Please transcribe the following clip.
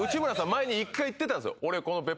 前に一回言ってたんすよ